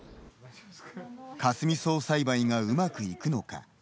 かすみ草栽培がうまくいくのか。